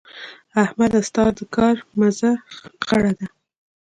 احمده؛ ستا د کار مزه خړه ده.